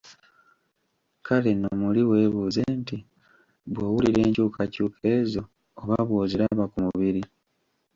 Kale nno muli weebuuze nti, bw'owulira enkyukakyuka ezo oba bw'oziraba ku mubiri?